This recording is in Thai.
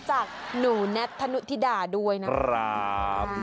จากหนูแท็ตธนุธิดาด้วยนะครับ